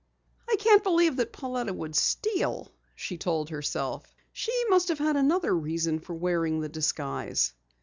"I can't believe that Pauletta would steal," she told herself. "She must have had another reason for wearing the disguise."